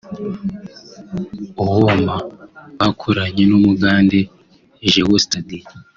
Owooma bakoranye n’Umugande Geosteady